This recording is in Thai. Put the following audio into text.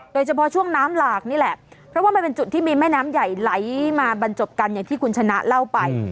โดยเฉพาะช่วงน้ำหลากนี่แหละเพราะว่ามันเป็นจุดที่มีแม่น้ำใหญ่ไหลมาบรรจบกันอย่างที่คุณชนะเล่าไป